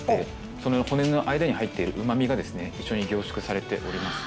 その骨の間に入っている旨味が一緒に凝縮されております。